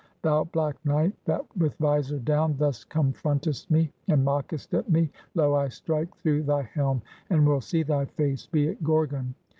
Thou Black Knight, that with visor down, thus confrontest me, and mockest at me; Lo! I strike through thy helm, and will see thy face, be it Gorgon!